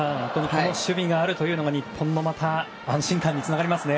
この守備があるというのが日本のまた安心感につながりますね。